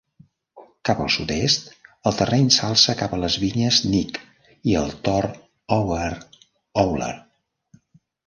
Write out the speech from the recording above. Cap al sud-est el terreny s'alça cap a les vinyes Nick i el tor Over Owler.